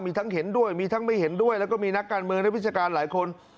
มีทั้งเห็นด้วยมีทั้งไม่เห็นด้วยแล้วก็มีนักการเมืองนักวิชาการหลายคน